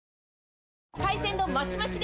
海鮮丼マシマシで！